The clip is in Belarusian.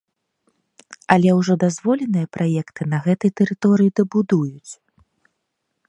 Але ўжо дазволеныя праекты на гэтай тэрыторыі дабудуюць.